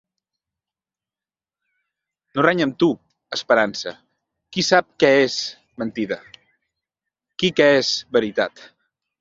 No reny amb tu, esperança; qui sap què és mentida? Qui què és veritat?